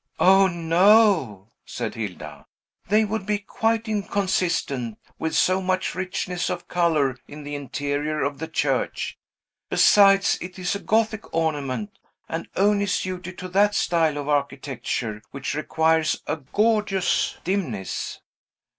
"O, no!" said Hilda. "They would be quite inconsistent with so much richness of color in the interior of the church. Besides, it is a Gothic ornament, and only suited to that style of architecture, which requires a gorgeous dimness."